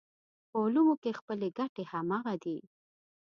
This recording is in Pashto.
په علومو کې خپلې ګټې همغه دي.